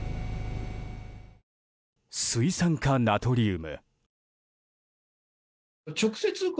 水酸化ナトリウム。